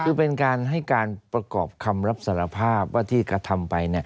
คือเป็นการให้การประกอบคำรับสารภาพว่าที่กระทำไป